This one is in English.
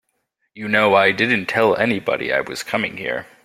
You know I didn't tell anybody I was coming here.